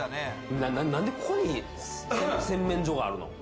なんでここに洗面所があるの？